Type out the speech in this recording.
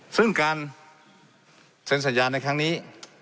ซึ่งการเซ็นสัญญาในครั้งนี้